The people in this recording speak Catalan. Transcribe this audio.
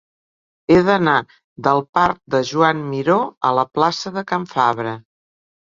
He d'anar del parc de Joan Miró a la plaça de Can Fabra.